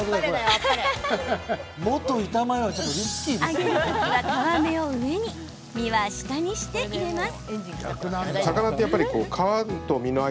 揚げる時は皮目を上に身は下にして入れます。